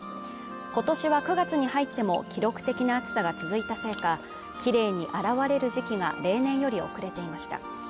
今年は９月に入っても記録的な暑さが続いたせいかきれいに現れる時期が例年より遅れていました